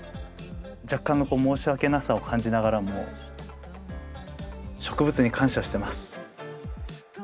若干の申し訳なさを感じながらも植物に感謝してます。